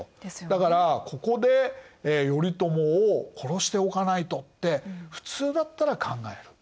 だから「ここで頼朝を殺しておかないと」って普通だったら考える。